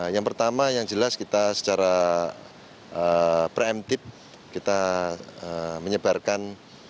yang pertama yang jelas kita secara preemptif kita menyebarkan